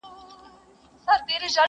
o هغه ساعت، هغه مصلحت!